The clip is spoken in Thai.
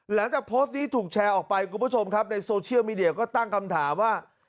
หลังจากโพสต์นี้ถูกแชร์ออกไปคุณผู้ชมครับในโซเชียลมีเดียก็ตั้งคำถามว่า